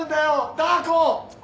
ダー子！